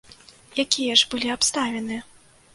Якія ж былі абставіны?